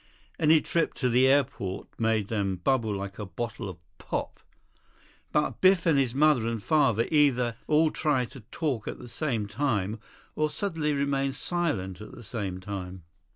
Any trip to the airport made them bubble like a bottle of pop. But Biff and his mother and father either all tried to talk at the same time, or suddenly remained silent at the same time.